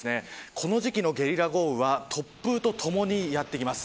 この時期のゲリラ豪雨は突風とともにやってきます。